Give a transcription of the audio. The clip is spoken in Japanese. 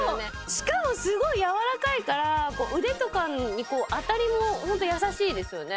しかもすごい柔らかいから腕とかに当たりもホント優しいですよね